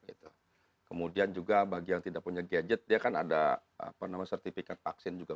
itu kemudian juga bagi yang tidak punya gadget dia kan ada sertifikat vaksin juga